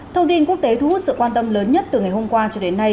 thông tin quốc tế thu hút sự quan tâm lớn nhất từ ngày hôm qua cho đến nay